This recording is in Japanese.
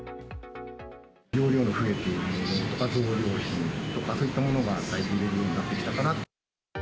容量の増えているもの、増量品とか、そういったものが売れるようになってきたかな。